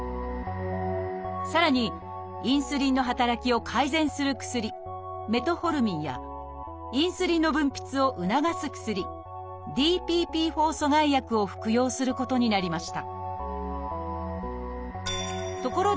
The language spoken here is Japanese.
さらにインスリンの働きを改善する薬「メトホルミン」やインスリンの分泌を促す薬「ＤＰＰ−４阻害薬」を服用することになりました。